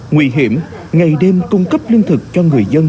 nguy hiểm ngày đêm cung cấp lương thực cho người dân